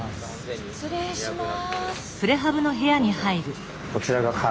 失礼します。